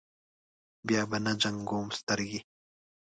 بیا به نه جنګوم سترګې.